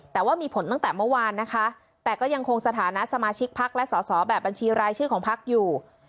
แต่ว่ามีผลตั้งแต่เมื่อวานนะคะแต่ก็ยังคงสถานะสมาชิกพักและสอสอแบบบัญชีรายชื่อของพักอยู่